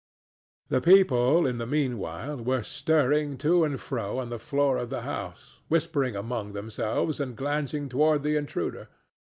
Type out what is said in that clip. The people, in the mean while, were stirring to and fro on the floor of the house, whispering among themselves and glancing toward the intruder.